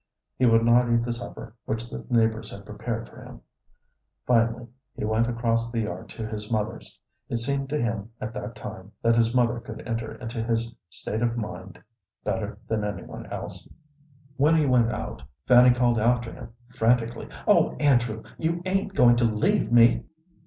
He would not eat the supper which the neighbors had prepared for him; finally he went across the yard to his mother's. It seemed to him at that time that his mother could enter into his state of mind better than any one else. When he went out, Fanny called after him, frantically, "Oh, Andrew, you ain't going to leave me?"